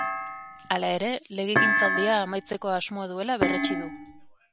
Hala ere, legegintzaldia amaitzeko asmoa duela berretsi du.